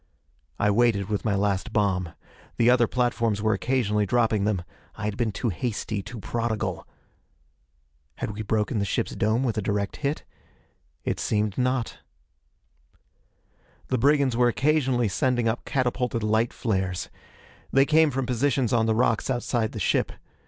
I waited with my last bomb. The other platforms were occasionally dropping them: I had been too hasty, too prodigal. Had we broken the ship's dome with a direct hit? It seemed not. The brigands were occasionally sending up catapulted light flares. They came from positions on the rocks outside the ship.